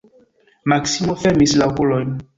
Maksimo fermis la okulojn.